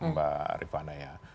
mbak rifah naya